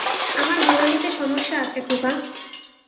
আমার গোড়ালিতে সমস্যা আছে, খোকা।